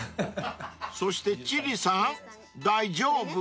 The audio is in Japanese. ［そして千里さん大丈夫？］